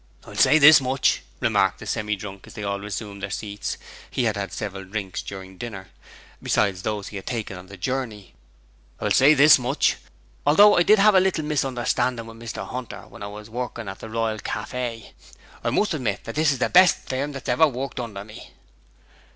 'I will say this much,' remarked the Semidrunk as they all resumed their seats he had had several drinks during dinner, besides those he had taken on the journey I will say this much, although I did have a little misunderstanding with Mr Hunter when I was workin' at the Royal Caff, I must admit that this is the best firm that's ever worked under me.'